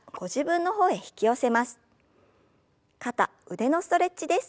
肩腕のストレッチです。